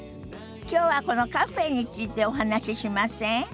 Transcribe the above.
きょうはこのカフェについてお話ししません？